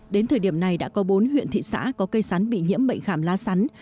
đến thời điểm này đã có bốn huyện thị xã có cây sắn bị nhiễm bệnh khảm lá sắn